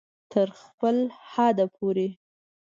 تر خپل حده پورې